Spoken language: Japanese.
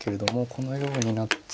このようになって。